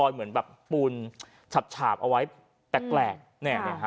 เหมือนแบบปูนฉาบฉาบเอาไว้แปลกเนี่ยนะฮะ